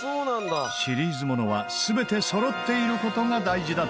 シリーズものは全て揃っている事が大事だという。